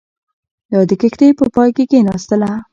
دا د کښتۍ په پای کې کښېناستله.